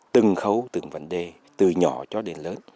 từng khâu từng vấn đề từ nhỏ cho đến lớn